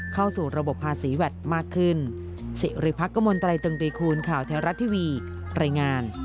เข้าสู่ระบบภาษีแวดมากขึ้น